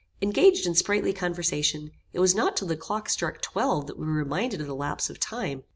Engaged in sprightly conversation, it was not till the clock struck twelve that we were reminded of the lapse of time.